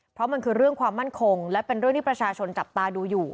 เพราะมันคือเรื่องความมั่นคงและเป็นเรื่องที่ประชาชนจับตาดูอยู่